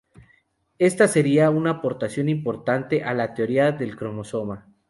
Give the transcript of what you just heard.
Ésta sería una aportación importante a la teoría del cromosoma.